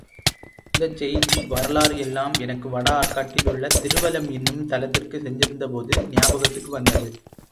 இந்தச் செய்தி, வரலாறு எல்லாம் எனக்கு வட ஆர்க்காட்டில் உள்ள திருவலம் என்னும் தலத்திற்குச் சென்றிருந்தபோது ஞாபகத்துக்கு வந்தது.